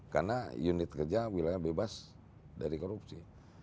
karena unit kerja wilayah bebas dari korupsi